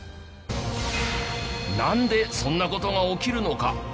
なんでそんな事が起きるのか。